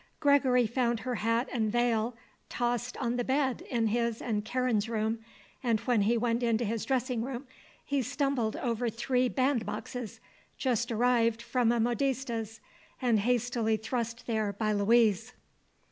Gregory found her hat and veil tossed on the bed in his and Karen's room, and when he went into his dressing room he stumbled over three band boxes, just arrived from a modiste's, and hastily thrust there by Louise.